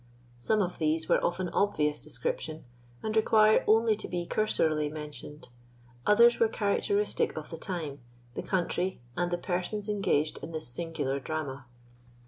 Some of these were of an obvious description, and require only to be cursorily mentioned; others were characteristic of the time, the country, and the persons engaged in this singular drama.